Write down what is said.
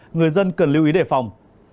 người dân cần lưu ý đề phòng